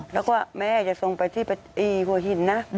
แล้วก็แม่จะส่งไปที่หัวหินนะ